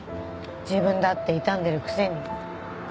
自分だって痛んでるくせに。